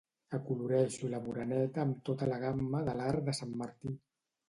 Acoloreixo la Moreneta amb tota la gamma de l'arc de Sant Martí.